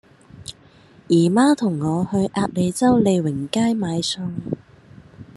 姨媽同我去鴨脷洲利榮街買餸